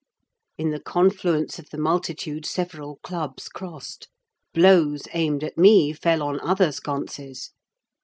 In the confluence of the multitude, several clubs crossed; blows, aimed at me, fell on other sconces.